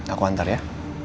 aku antar ya